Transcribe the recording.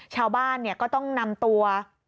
ชาวบ้านก็ต้องนำตัว